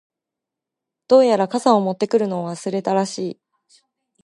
•どうやら、傘を持ってくるのを忘れたらしい。